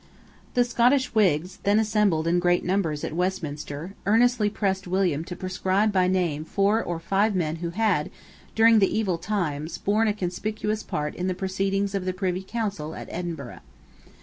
The Scottish Whigs, then assembled in great numbers at Westminster, earnestly pressed William to proscribe by name four or five men who had, during the evil times, borne a conspicuous part in the proceedings of the Privy Council at Edinburgh.